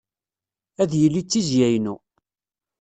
Ad yili d tizzya-inu.